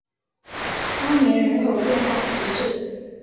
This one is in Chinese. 阿年人口变化图示